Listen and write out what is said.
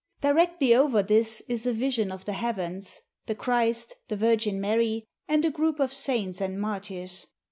Directly over this is a vision in the heavens, the Christ, the Virgin Mary, and a group of saints and martyrs.